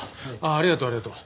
ありがとうありがとう。